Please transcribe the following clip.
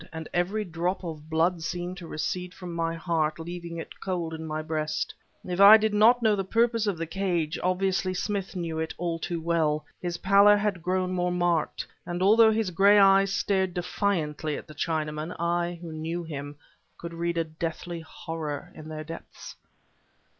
and every drop of blood seemed to recede from my heart, leaving it cold in my breast. If I did not know the purpose of the cage, obviously Smith knew it all too well. His pallor had grown more marked, and although his gray eyes stared defiantly at the Chinaman, I, who knew him, could read a deathly horror in their depths.